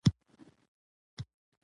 زه د پوهنتون وخت نه ضایع کوم.